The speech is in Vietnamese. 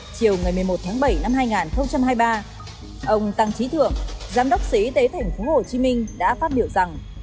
chiều một mươi một bảy hai nghìn hai mươi ba ông tăng trí thượng giám đốc sở y tế tp hcm đã phát biểu rằng